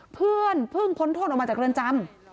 เพื่อนเพิ่งพ้นโทษออกมาจากเรือนจำ